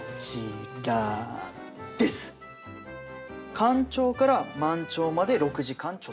干潮から満潮まで６時間ちょっと。